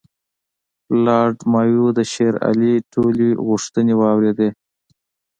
لارډ مایو د شېر علي ټولې غوښتنې واورېدلې.